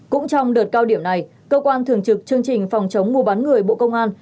cũng trong đợt cao điểm này cơ quan thường trực chương trình phòng chống mua bán người bộ công an